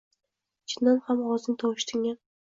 Chindan ham g‘ozning tovushi tingan.